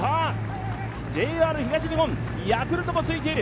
ＪＲ東日本、ヤクルトもついている。